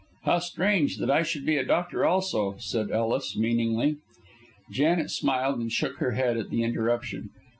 "How strange that I should be a doctor also," said Ellis, meaningly. Janet smiled and shook her head at the interruption.